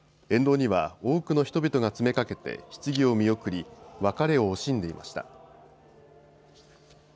沿道には多くの人々が詰めかけてひつぎを見送り別れを惜しんでいました。